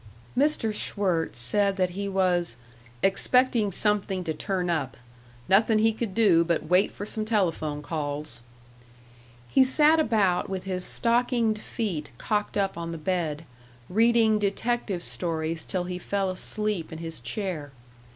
Mr. Schwirtz said that he was "expecting something to turn up nothin' he could do but wait for some telephone calls." He sat about with his stockinged feet cocked up on the bed, reading detective stories till he fell asleep in his chair.